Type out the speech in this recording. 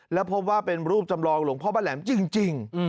แล้วพบว่าเป็นรูปจำลองหลวงพ่อบ้านแหลมจริง